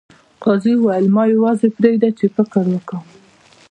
قاضي وویل ما یوازې پریږدئ چې فکر وکړم.